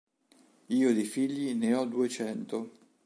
Io di figli ne ho duecento.